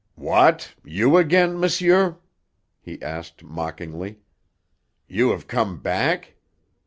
"What, you again, monsieur?" he asked mockingly. "You have come back?